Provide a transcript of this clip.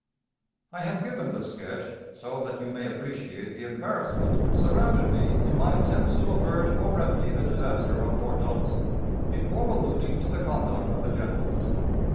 _ "I have given this sketch, so that you may appreciate the embarrassment which surrounded me in my attempts to avert or remedy the disaster of Fort Donelson, before alluding to the conduct of the generals.